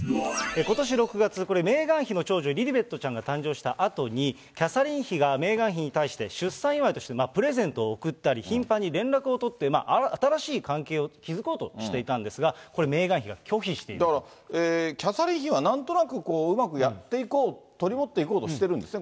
ことし６月、これ、メーガン妃の長女、リリベットちゃんが誕生したあとに、キャサリン妃がメーガン妃に対して、出産祝いとして、プレゼントを贈ったり、頻繁に連絡を取って、新しい関係を築こうとしていたんですが、これ、だから、キャサリン妃はなんとなくうまくやっていこう、取り持っていこうとしてるんですね。